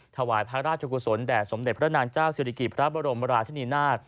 ถวายพระราชกุศลแด่สมเด็จพระนางเจ้าศิริกิตพระบรมราชนีนาฏ